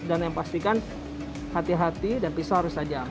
dan yang pastikan hati hati dan pisau harus tajam